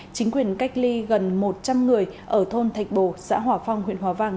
chính quyền cách ly gần một trăm linh người ở thôn thạch bồ xã hòa phong huyện hòa vang